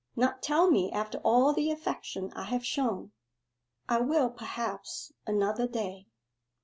not tell me after all the affection I have shown?' 'I will, perhaps, another day.